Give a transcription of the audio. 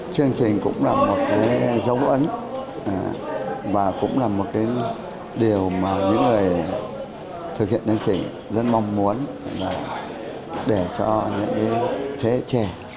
chương trình nghệ thuật đặc biệt thủa trường trinh đã mang lại hồi ước đáng nhớ